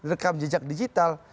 rekam jejak digital